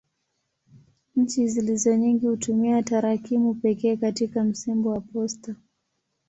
Nchi zilizo nyingi hutumia tarakimu pekee katika msimbo wa posta.